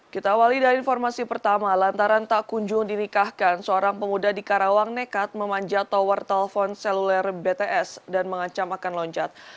kita awali dari informasi pertama lantaran tak kunjung dinikahkan seorang pemuda di karawang nekat memanjat tower telepon seluler bts dan mengancam akan loncat